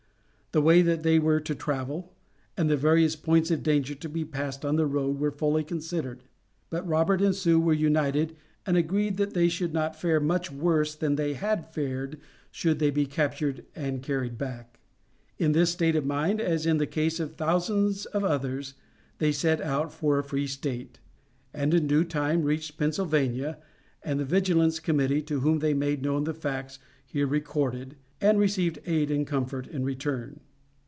The way that they were to travel, and the various points of danger to be passed on the road were fully considered; but Robert and Sue were united and agreed that they could not fare much worse than they had fared, should they be captured and carried back. In this state of mind, as in the case of thousands of others, they set out for a free State, and in due time reached Pennsylvania and the Vigilance Committee, to whom they made known the facts here recorded, and received aid and comfort in return.